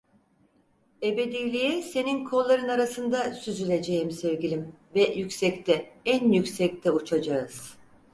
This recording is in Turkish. Ebediliğe senin kolların arasında süzüleceğim sevgilim ve yüksekte, en yüksekte uçacağız.